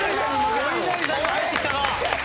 おいなりさんが入ってきたか！